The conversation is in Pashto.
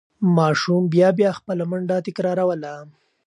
ماشوم بیا بیا خپله منډه تکراروله.